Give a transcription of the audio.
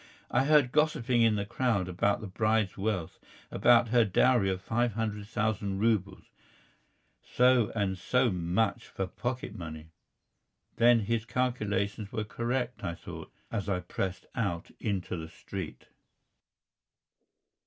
I heard gossiping in the crowd about the bride's wealth about her dowry of five hundred thousand rubles so and so much for pocket money. "Then his calculations were correct," I thought, as I pressed out into the street.